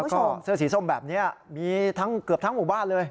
ก็เสื้อสีส้มแบบนี้มีทั้งเกือบทั้งหมู่บ้านเลย